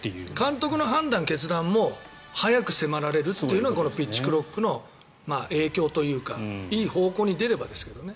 監督の判断、決断も早く迫られるというのがこのピッチクロックの影響というかいい方向に出ればですけどね。